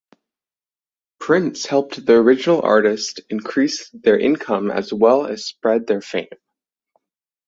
Prints helped the original artist increase their income as well as spread their fame.